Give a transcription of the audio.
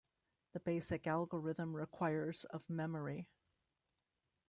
The basic algorithm requires of memory.